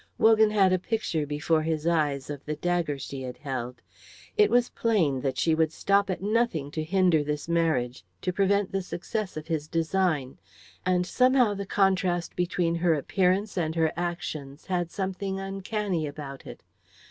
Wogan had a picture before his eyes of the dagger she had held. It was plain that she would stop at nothing to hinder this marriage, to prevent the success of his design; and somehow the contrast between her appearance and her actions had something uncanny about it.